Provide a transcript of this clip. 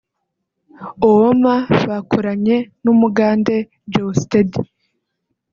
Owooma bakoranye n’Umugande Geosteady